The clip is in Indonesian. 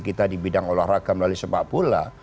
kita di bidang olahraga melalui sepak bola